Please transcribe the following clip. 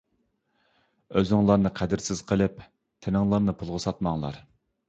ئۆزۈڭلارنى قەدىرسىز قىلىپ، تىنىڭلارنى پۇلغا ساتماڭلار.